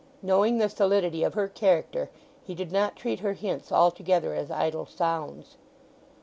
Knowing the solidity of her character he did not treat her hints altogether as idle sounds.